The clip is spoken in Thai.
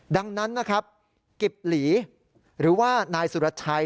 ดังนั้นกิบหลีหรือว่านายสุรชัย